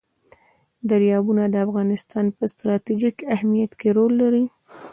دریابونه د افغانستان په ستراتیژیک اهمیت کې رول لري.